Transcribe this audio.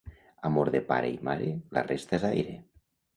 Amor de pare i mare, la resta és aire.